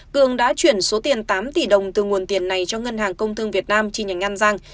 cường đã chuyển số tiền tám tỷ đồng từ nguồn tiền này cho ngân hàng công thương việt nam chi nhánh an giang